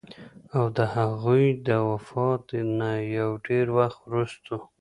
او د هغوي د وفات نه يو ډېر وخت وروستو